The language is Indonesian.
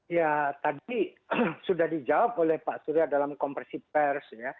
ya tadi sudah dijawab oleh pak surya dalam konversi pers